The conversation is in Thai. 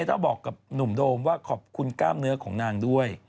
ทุกวันนี้ก็ต้องใส่เสื้อคู่ด้วย